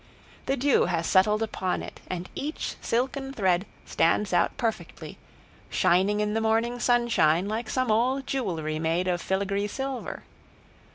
The dew has settled upon it and each silken thread stands out perfectly, shining in the morning sunshine like some old jewelry made of filagree silver.